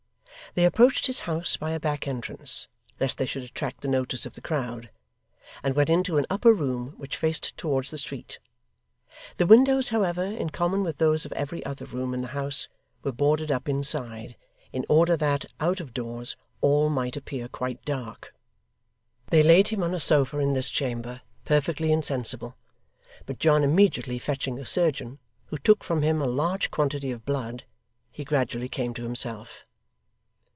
They approached his house by a back entrance, lest they should attract the notice of the crowd, and went into an upper room which faced towards the street; the windows, however, in common with those of every other room in the house, were boarded up inside, in order that, out of doors, all might appear quite dark. They laid him on a sofa in this chamber, perfectly insensible; but John immediately fetching a surgeon, who took from him a large quantity of blood, he gradually came to himself.